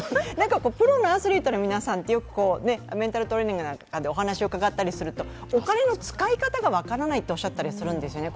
プロのアスリートの方ってメンタルトレーニングなどでお話を伺ったりするとお金の使い方が分からないとおっしゃったりするんですね。